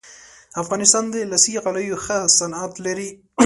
افغانستان د لاسي غالیو ښه صنعت لري